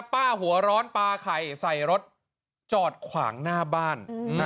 หัวร้อนปลาไข่ใส่รถจอดขวางหน้าบ้าน